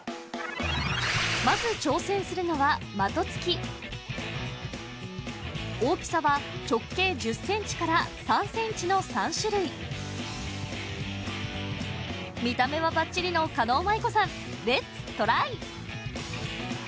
まず挑戦するのは的突き大きさは直径１０ｃｍから３ｃｍの３種類見た目はバッチリの狩野舞子さんレッツトライ！